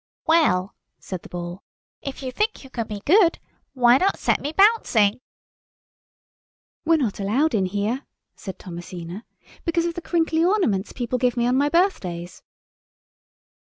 "Well," said the Ball, "if you think you can be good, why not set me bouncing?" "We're not allowed in here," said Thomasina, "because of the crinkly ornaments people give me on my birthdays."